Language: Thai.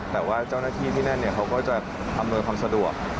แต่ว่าเจ้าหน้าที่ที่นั่นเขาก็จะอำนวยความสะดวก